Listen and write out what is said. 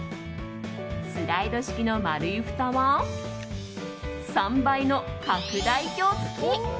スライド式の丸いふたは３倍の拡大鏡付き。